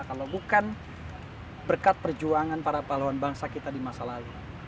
kalau bukan berkat perjuangan para pahlawan bangsa kita di masa lalu